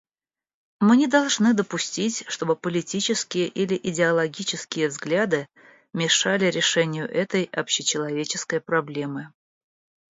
Мы не должны допустить, чтобы политические или идеологические взгляды мешали решению этой общечеловеческой проблемы.